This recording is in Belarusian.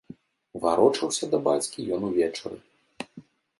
Варочаўся да бацькі ён увечары.